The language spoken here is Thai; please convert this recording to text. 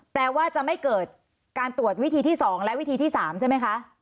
แปลว่าจะไม่เกิดการตรวจวิธีที่๒และวิธีที่๓ใช่ไหมคะ